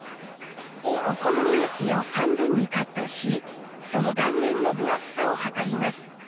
お好み焼きを半分にカットし、その断面の分厚さを測ります。